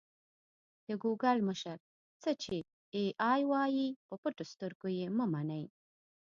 د ګوګل مشر: څه چې اې ای وايي په پټو سترګو یې مه منئ.